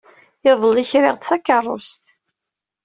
Iḍelli, kriɣ-d takeṛṛust.